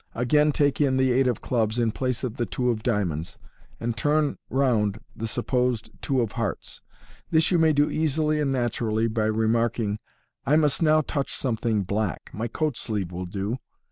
Again take in the eight of clubs in place of the two of diamonds, and turn round the supposed two of hearts. This you may do easily and naturally by remarking, " I must now touch something black ; my coat sleeve will do.